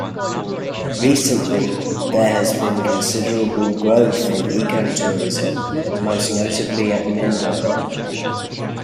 Recently, there has been considerable growth in eco-tourism, most notably at Mindo.